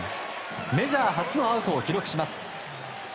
メジャー初のアウトを記録します。